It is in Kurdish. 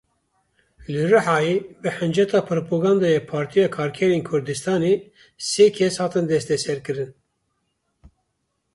Li Rihayê bi hinceta propagandeya Partiya Karkerên Kurdistanê sê kes hatin desteserkirin.